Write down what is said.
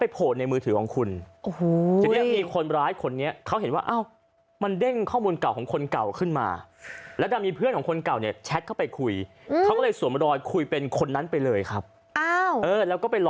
เป็นข้อมูลเก่า